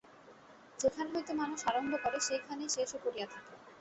যেখান হইতে মানুষ আরম্ভ করে, সেইখানেই শেষও করিয়া থাকে।